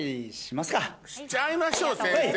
しちゃいましょう先生